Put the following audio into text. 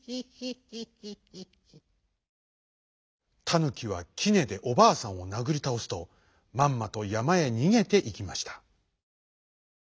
タヌキはきねでおばあさんをなぐりたおすとまんまとやまへにげていきました。